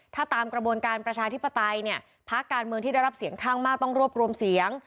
ถ้าตามกระบวนการประชาธิปไตยเนี่ยพักการเมืองที่ได้รับเสียงข้างมากต้องรวบรวมเสียง